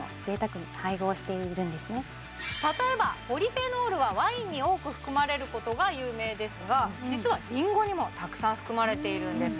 この商品は例えばポリフェノールはワインに多く含まれることが有名ですが実はリンゴにもたくさん含まれているんです